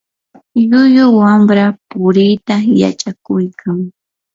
llullu wamra puriita yachakuykan.